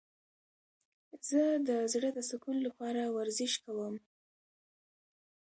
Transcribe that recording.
زه د زړه د سکون لپاره ورزش کوم.